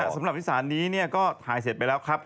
สำหรับอีสานนี้ก็ถ่ายเสร็จไปแล้วครับ